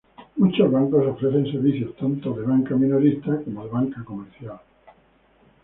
Muchos bancos ofrecen servicios tanto de banca minorista como de banca comercial.